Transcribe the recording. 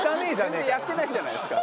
全然やってないじゃないですか。